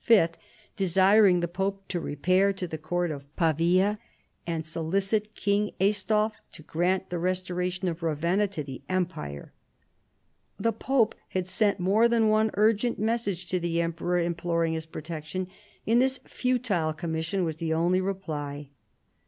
desiring the pope to repair to the court of Pavia and solicit King Aistulf to grant the restoration of Ravenna to thci empire. The pope had sent more than one urgent message to the emperor imploring his protection, and this futile commission was the only reply.